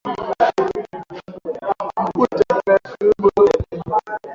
Makuta inaishishaka bunduku